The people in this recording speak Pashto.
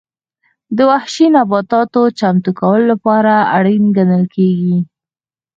د وحشي نباتاتو چمتو کولو لپاره اړین ګڼل کېږي.